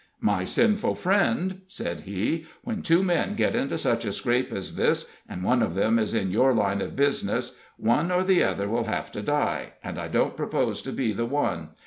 "My sinful friend," said he, "when two men get into such a scrape as this, and one of them is in your line of business, one or the other will have to die, and I don't propose to be the one.